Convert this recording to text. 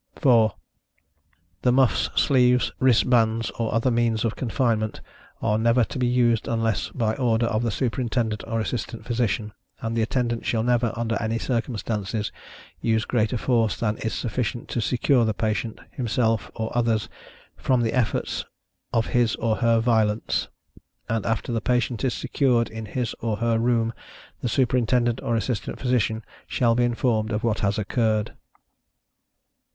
4. The muffs, sleeves, wristbands, or other means of confinement, are never to be used unless by order of the Superintendent or Assistant Physician; and the Attendant shall never, under any circumstances, use greater force than is sufficient to secure the patient, himself, or others, from the efforts of his or her violence, and after the patient is secured in his or her room, the Superintendent or Assistant Physician shall be informed of what has occurred.